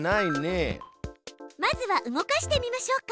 まずは動かしてみましょうか。